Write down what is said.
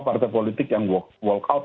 partai politik yang walk out